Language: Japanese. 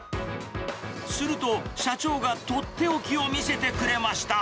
すると、社長が取って置きを見せてくれました。